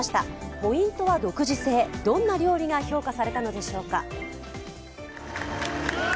ポイントは独自性、どんな料理が評価されたのでしょうか。